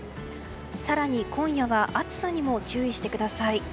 更に、今夜は暑さにも注意してください。